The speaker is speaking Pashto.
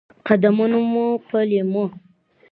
قدمونه مو په لېمو،